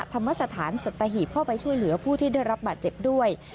ธรรมสถานสัตหีบเข้าไปช่วยเหลือผู้ที่ได้รับบาดเจ็บด้วย